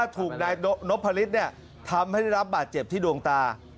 ถูกนายนพฤษทำให้ได้รับบาดเจ็บที่ดวงตา